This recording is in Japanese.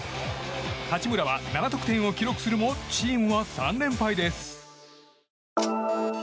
八村は７得点を記録するもチームは３連敗です。